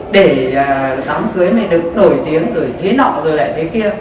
để đám cưới mày được nổi tiếng rồi thế nọ rồi lại thế kia